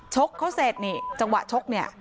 กเขาเสร็จนี่จังหวะชกเนี่ย